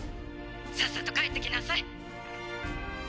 さっさと帰ってきなさい。